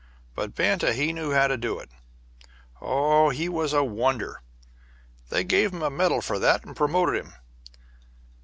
But Banta he knew how to do it. Oh, he was a wonder! They gave him the medal for that, and promoted him.